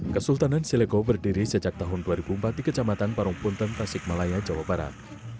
kesultanan seleko berdiri sejak tahun dua ribu empat di kecamatan parungpunten pasikmalaya jawa barat